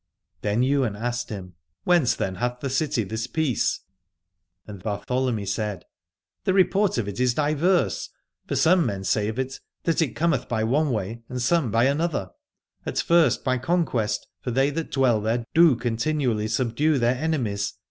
Then Ywain asked him : Whence then hath the City this peace? And Bartholomy said: The report of it is diverse. For some men say of it that it cometh by one way and some by another : as first, by conquest, for they that dwell there do continually subdue their enemies.